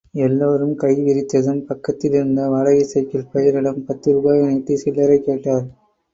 எல்லோரும் கை விரித்ததும், பக்கத்தில் இருந்த வாடகைச் சைக்கிள் பையனிடம் பத்து ரூபாயை நீட்டி, சில்லறை கேட்டார்.